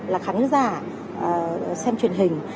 là khán giả xem truyền hình